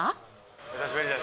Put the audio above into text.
お久しぶりです。